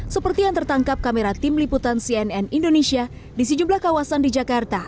seperti yang tertangkap kamera tim liputan cnn indonesia di sejumlah kawasan di jakarta